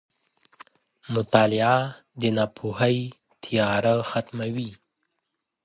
• مطالعه د ناپوهۍ تیاره ختموي.